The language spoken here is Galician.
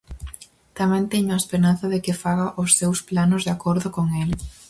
Tamén teño a esperanza de que faga os seus planos de acordo con el.